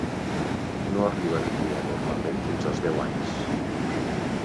No arriben a criar normalment fins als deu anys.